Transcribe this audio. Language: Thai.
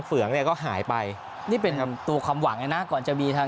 เงืองเนี่ยก็หายไปนี่เป็นตัวความหวังเลยนะก่อนจะมีทาง